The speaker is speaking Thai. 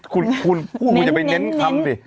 คุณคุณอย่าไปเน้นคำสิ